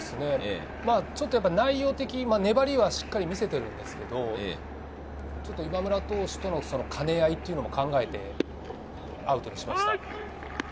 内容的に粘りはしっかり見せているんですけど、今村投手との兼ね合いも考えて、アウトにしました。